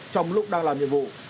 trong lúc đang làm nhiệm vụ